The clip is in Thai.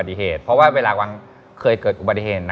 รถกวางอ่ะเวลาขับไปไหน